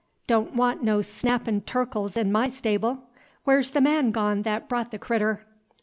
Don' wan' no snappin' turkles in my stable! Whar's the man gone th't brought the critter?"